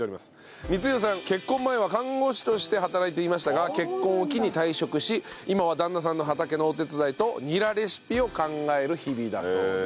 結婚前は看護師として働いていましたが結婚を機に退職し今は旦那さんの畑のお手伝いとニラレシピを考える日々だそうです。